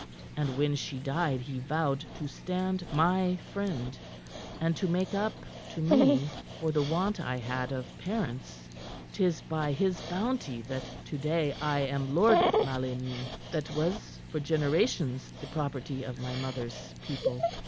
And when she died he vowed to stand my friend and to make up to me for the want I had of parents. 'Tis by his bounty that to day I am lord of Maligny that was for generations the property of my mother's people.